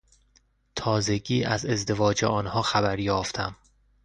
تازگی از ازدواج آنها خبر یافتم.